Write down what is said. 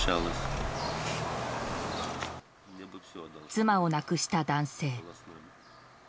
妻を亡くした男性。